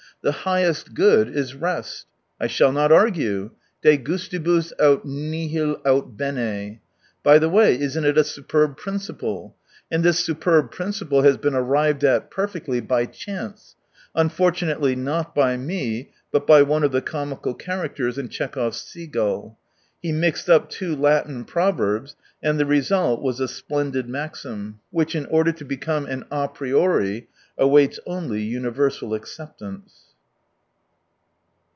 The highest good is rest ! I shall not argue : de gustibus aut nihil aiii bene. ... By the way, isn't it a superb principle ? And this superb principle has been arrived at perfectly by chance, unfortunately not by me, but by one of the comical characters in Tchek hov's Seagull. He mixed up two Latin proverbs, and the result was a splendid maxim which, in order to become an a priori, awaits only universal acceptance.